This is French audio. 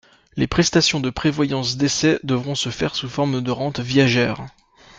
Les prestations de prévoyance décès devront se faire sous forme de rente viagère.